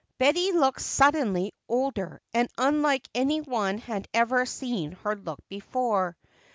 Betty looked suddenly older and unlike any one had ever seen her look before.